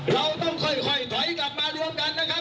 เราต้องค่อยถอยกลับมารวมกันนะครับ